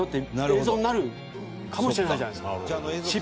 映像になるかもしれないじゃないですか。